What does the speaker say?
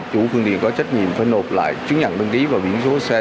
chủ phương tiện có trách nhiệm phải nộp lại chứng nhận đăng ký và biển số xe